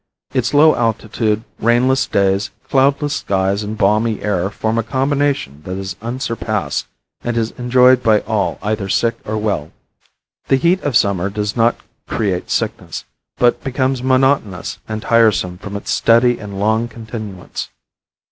Its low altitude, rainless days, cloudless skies and balmy air form a combination that is unsurpassed and is enjoyed by all either sick or well. The heat of summer does not create sickness, but becomes monotonous and tiresome from its steady and long continuance.